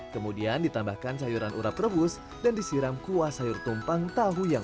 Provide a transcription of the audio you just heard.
kemudian ditambahkan sayuran urap rebus dan disiram kuah sayur tumpang tahu yang